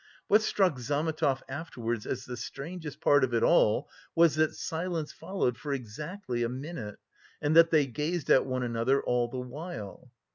What struck Zametov afterwards as the strangest part of it all was that silence followed for exactly a minute, and that they gazed at one another all the while.